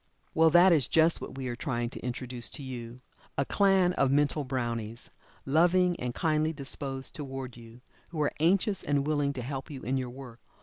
Well, that is just what we are trying to introduce to you. A clan of mental brownies, loving and kindly disposed toward you, who are anxious and willing to help you in your work.